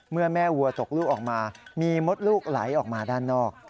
เมื่อแม่วัวตกลูกออกมามีมดลูกไหลออกมาด้านนอก